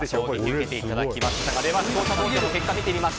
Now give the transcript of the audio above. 視聴者投票の結果です。